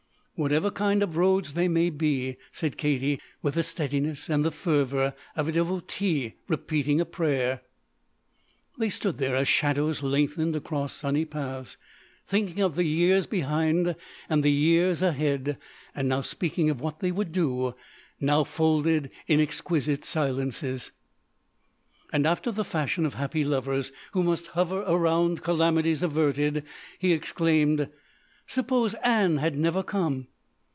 "Whatever kind, of roads they may be," said Katie, with the steadiness and the fervor of a devotee repeating a prayer. They stood there as shadows lengthened across sunny paths, thinking of the years behind and the years ahead, now speaking of what they would do, now folded in exquisite silences. And after the fashion of happy lovers who must hover around calamities averted, he exclaimed: "Suppose Ann had never come!"